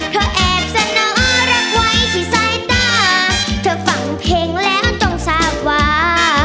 แอบเสนอรักไว้ที่สายตาเธอฟังเพลงแล้วต้องทราบว่า